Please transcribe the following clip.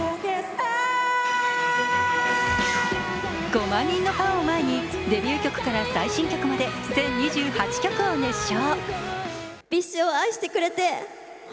５万人のファンを前にデビュー曲から最新曲まで全２８曲を熱唱。